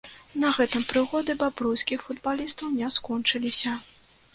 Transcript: На гэтым прыгоды бабруйскіх футбалістаў не скончыліся.